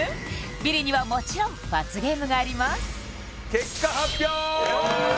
ビリにはもちろん罰ゲームがあります結果発表！